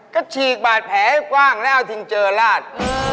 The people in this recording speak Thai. ก็ฉีกแบบแผลให้กว้างแล้วเอาทิงเจอร์ราช